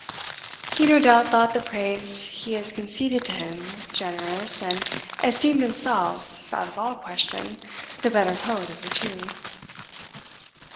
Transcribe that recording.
He no doubt thought the praise he has conceded to him generous, and esteemed himself, out of all question, the better poet of the two.